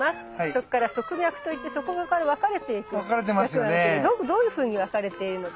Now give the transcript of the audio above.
そっから側脈といってそこから分かれていく脈があるけどどういうふうに分かれているのか。